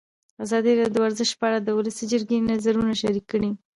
ازادي راډیو د ورزش په اړه د ولسي جرګې نظرونه شریک کړي.